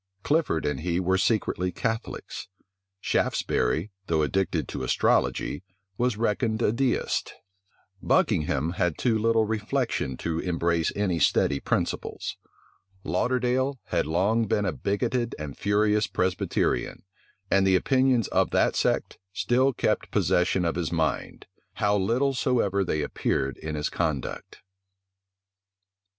Clifford and he were secretly Catholics: Shaftesbury, though addicted to astrology, was reckoned a deist: Buckingham had too little reflection to embrace any steady principles: Lauderdale had long been a bigoted and furious Presbyterian; and the opinions of that sect still kept possession of his mind, how little soever they appeared in his conduct.